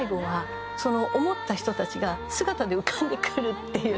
最後は思った人たちが姿で浮かんでくるっていう。